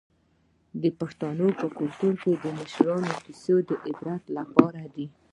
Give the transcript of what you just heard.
د پښتنو په کلتور کې د مشرانو کیسې د عبرت لپاره دي.